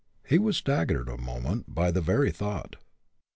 He was staggered a moment by the very thought.